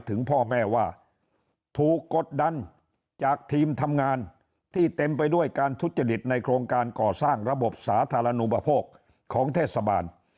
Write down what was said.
ถึงพ่อแม่ว่าถูกกดดันจากทีมทำงานที่เต็มไปด้วยการทุจริตในโครงการก่อสร้างระบบสาธารณูปโภคของเทศบาล